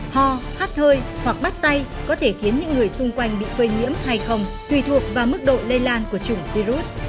ho hát hơi hoặc bắt tay có thể khiến những người xung quanh bị phơi nhiễm hay không tùy thuộc vào mức độ lây lan của chủng virus